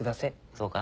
そうか？